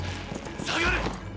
下がれ！